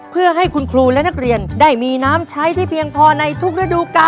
เพื่อให้คุณครูและนักเรียนได้มีน้ำใช้ที่เพียงพอในทุกฤดูกาล